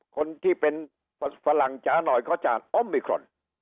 คนที่เป็นฝรั่งจ๋าหน่อยเขาจะออมมิครอน